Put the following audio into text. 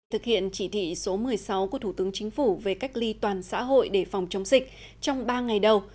thực hiện chỉ thị số một mươi sáu của thủ tướng chính phủ về cách ly toàn xã hội để phòng chống dịch trong ba ngày đầu